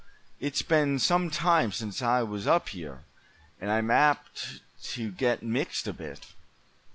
It's been some time since I was up here, and I'm apt to get mixed a bit."